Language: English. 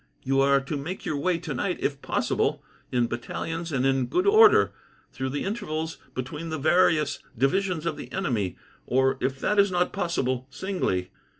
You are to make your way tonight, if possible, in battalions and in good order, through the intervals between the various divisions of the enemy; or, if that is not possible, singly.